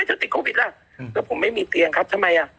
ไม่ทำไมเธอติดโควิดอ่ะหรอกผมไม่มีเตียงครับทำไมอ่ะ